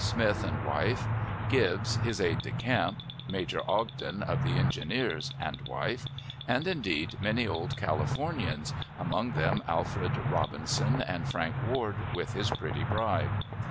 Smith and wife; Gibbs, his aide de camp; Major Ogden, of the Engineers, and wife; and, indeed, many old Californians, among them Alfred Robinson, and Frank Ward with his pretty bride.